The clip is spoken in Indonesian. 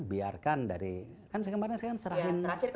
biarkan dari kan saya kemarin serahin